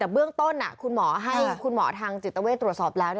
แต่เบื้องต้นคุณหมอให้คุณหมอทางจิตเวทตรวจสอบแล้ว